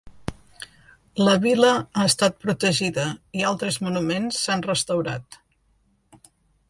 La vila ha estat protegida i altres monuments s'han restaurat.